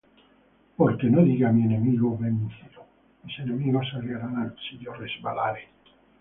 Porque no diga mi enemigo, Vencílo: Mis enemigos se alegrarán, si yo resbalare.